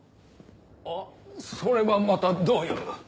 あっそれはまたどういう。